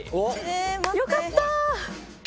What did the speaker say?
よかった。